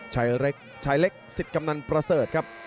ชายเล็กสิทธิ์กำนันประเสริฐครับ